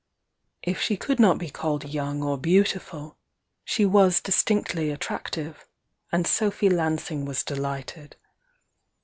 If she could not be called young or beautiful, she was distinctly attractive, and Sophy Lansing was delighted.